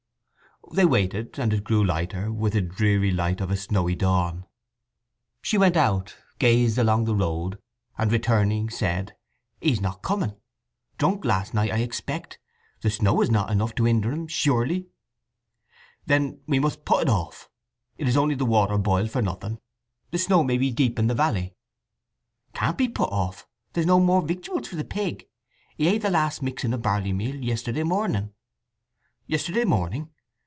They waited, and it grew lighter, with the dreary light of a snowy dawn. She went out, gazed along the road, and returning said, "He's not coming. Drunk last night, I expect. The snow is not enough to hinder him, surely!" "Then we must put it off. It is only the water boiled for nothing. The snow may be deep in the valley." "Can't be put off. There's no more victuals for the pig. He ate the last mixing o' barleymeal yesterday morning." "Yesterday morning?